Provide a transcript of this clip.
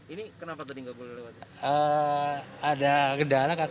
ini kenapa tadi nggak boleh lewat